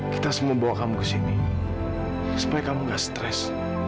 kita semua bawa kamu ke sini supaya kamu gak stres